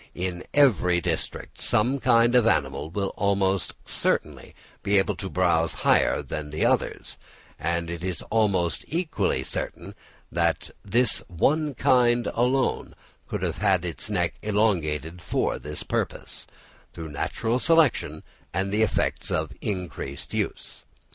In every district some one kind of animal will almost certainly be able to browse higher than the others; and it is almost equally certain that this one kind alone could have its neck elongated for this purpose, through natural selection and the effects of increased use.